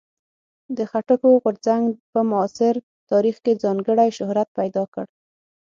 د خټکو غورځنګ په معاصر تاریخ کې ځانګړی شهرت پیدا کړ.